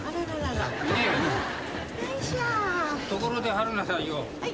ところで春菜さんよ。はい。